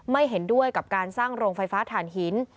เห็นด้วยกับการสร้างโรงไฟฟ้าฐานหิน